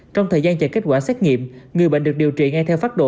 trong thời gian chờ kết quả xét nghiệm người bệnh được điều trị ngay theo phát độ